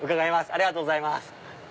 ありがとうございます。